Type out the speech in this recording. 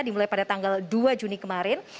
dimulai pada tanggal dua juni kemarin